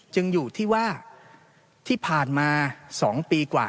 จึงอยู่ที่ว่าที่ผ่านมา๒ปีกว่า